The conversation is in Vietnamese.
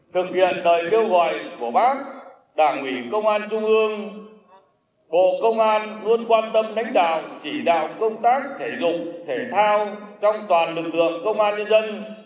thực hiện lời kêu gọi của bác đảng ủy công an trung ương bộ công an luôn quan tâm đánh đạo chỉ đạo công tác thể dục thể thao trong toàn lực lượng công an nhân dân